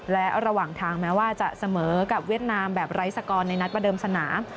และระหว่างทางแม้ว่าจะเสมอกับเวียดนามแบบไร้สกรในนัดประเดิมสนาม